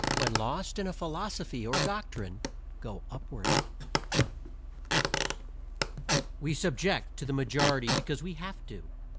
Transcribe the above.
When lost in a philosophy or doctrine go up ward. We submit to the majority because we have to.